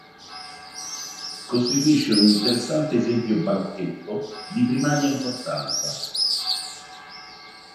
Costituisce un interessante esempio barocchetto di primaria importanza.